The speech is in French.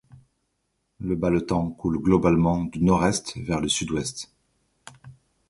Le Balletan coule globalement du nord-est vers le sud-ouest.